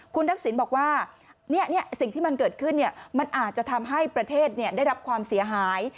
คุณทักษิณบอกว่าสิ่งที่มันเกิดขึ้นมันอาจจะทำให้ประเทศได้รับความเสียหาย